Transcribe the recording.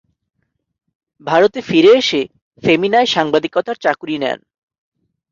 ভারতে ফিরে এসে ফেমিনায় সাংবাদিকতার চাকুরী নেন।